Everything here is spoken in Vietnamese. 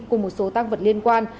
cùng một số tăng vật liên quan